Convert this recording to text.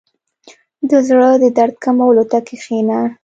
• د زړۀ د درد کمولو ته کښېنه.